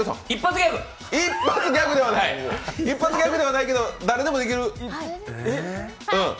一発ギャグではないけど誰でもできる。